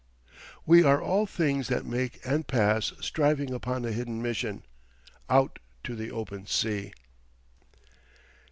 We are all things that make and pass striving upon a hidden mission, out to the open sea.